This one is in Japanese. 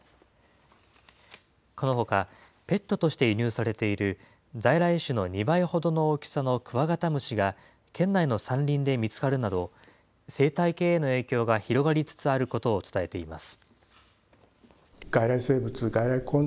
このほか、ペットとして輸入されている在来種の２倍ほどの大きさのクワガタムシが県内の山林で見つかるなど、生態系への影響が広がりつつあることを伝えています。